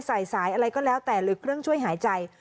สายอะไรก็แล้วแต่หรือเครื่องช่วยหายใจ